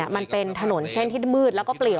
มันเป็นถนนเส้นที่มืดแล้วก็เปลี่ยว